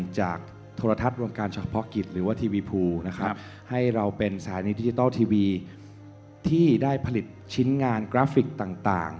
โทรทัศน์รวมการเฉพาะกิจหรือว่าทีวีภูนะครับให้เราเป็นสถานีดิจิทัลทีวีที่ได้ผลิตชิ้นงานกราฟิกต่าง